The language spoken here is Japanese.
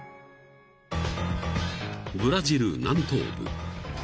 ［ブラジル南東部］